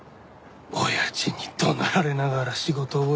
親父に怒鳴られながら仕事覚えて。